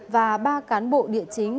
và ba cán bộ địa chính